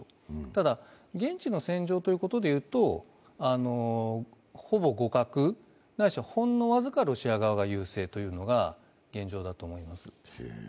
ただ、現地の戦状ということでいうと、ほぼ互角ないしはほんの僅かロシア側が優勢というのが現状だと思います。